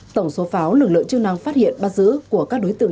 tổng số pháo lực lượng chức năng phát hiện bắt giữ của các đối tượng